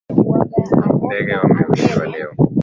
Ndege wamewindwa leo